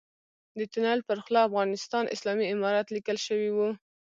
د تونل پر خوله افغانستان اسلامي امارت ليکل شوی و.